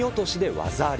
技あり。